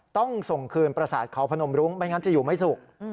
ต้องส่งคืนประสาทเขาพนมรุ้งไม่งั้นจะอยู่ไม่สุข